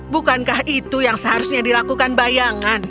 bukankah itu yang seharusnya dilakukan bayangan